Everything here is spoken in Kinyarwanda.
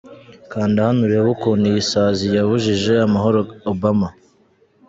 Kanda hano urebe ukuntu iyi sazi yabujije amahoro Obama.